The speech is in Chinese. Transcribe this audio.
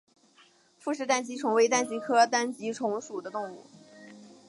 傅氏单极虫为单极科单极虫属的动物。